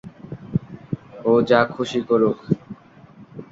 ও যা খুশি করুক।